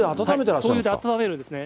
灯油で温めるんですね。